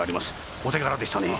お手柄でしたね。